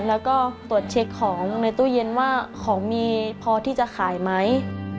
แล้วก็ตรวจเช็คของในตู้เย็นว่าของมีพอที่จะขายไหม